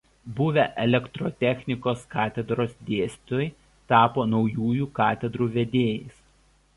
Buvę Elektrotechnikos katedros dėstytojai tapo naujųjų katedrų vedėjais.